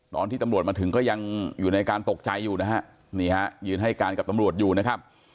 ตอนที่ตำรวจมาถึงก็ยังอยู่ในการตกใจอยู่นะฮะนี่ฮะยืนให้การกับตำรวจอยู่นะครับ